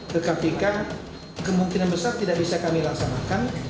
tetapi kemungkinan besar tidak bisa kami laksanakan